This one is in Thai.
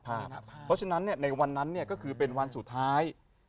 เพราะฉะนั้นในวันนั้นก็คือเป็นวันสุดท้าย